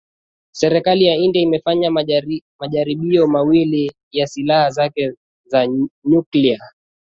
serikali ya india imefanya majaribio mawili ya silaha zake za nyuklia